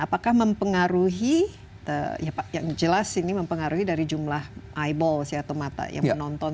apakah mempengaruhi yang jelas ini mempengaruhi dari jumlah eyeballs atau mata yang menonton